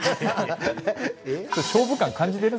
勝負感感じてる？